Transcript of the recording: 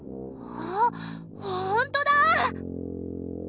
あほんとだ！